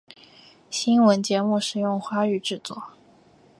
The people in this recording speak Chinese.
新闻节目使用华语制作。